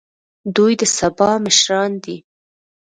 دوی د سبا مشران دي